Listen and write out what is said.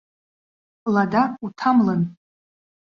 Лада уҭамлан.